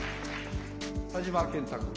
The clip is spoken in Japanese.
田島健太君。